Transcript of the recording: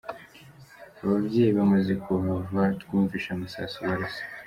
Ababyeyi bamaze kuhava twumvise amasasu barasa.